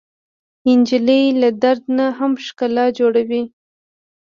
نجلۍ له درد نه هم ښکلا جوړوي.